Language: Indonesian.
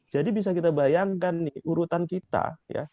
jadi bisa kita bayangkan nih urutan kita ya